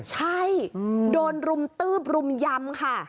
ใช่โดนรุมตืบรุมยำค่ะ